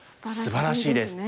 すばらしいです。